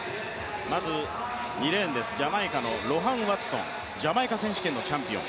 まず２レーン、ジャマイカのロハン・ワトソン、ジャマイカ選手権のチャンピオン。